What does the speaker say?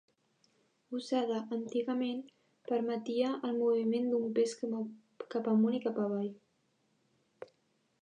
Usada antigament, permetia el moviment d'un pes cap amunt i cap avall.